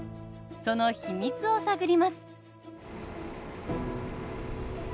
その秘密を探ります！